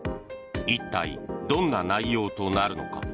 一体、どんな内容となるのか。